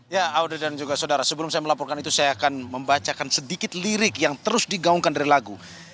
ya audi dan juga saudara sebelum saya melaporkan itu saya akan membacakan sedikit lirik yang terus digaungkan dari lagu